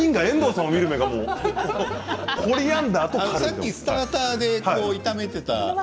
さっきスターターで炒めていたのは？